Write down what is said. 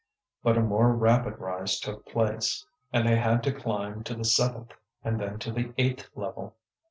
But a more rapid rise took place, and they had to climb to the seventh and then to the eighth level.